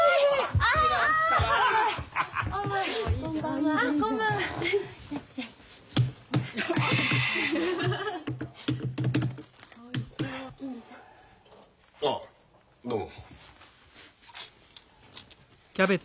ああどうも。